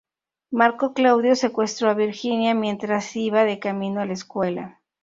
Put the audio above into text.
Marco Claudio secuestró a Virginia mientras iba de camino a la escuela.